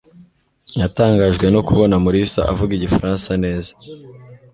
natangajwe no kubona mulisa avuga igifaransa neza